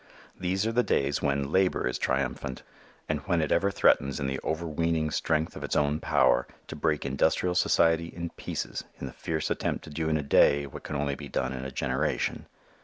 These are the days when "labor" is triumphant, and when it ever threatens in the overweening strength of its own power to break industrial society in pieces in the fierce attempt to do in a day what can only be done in a generation.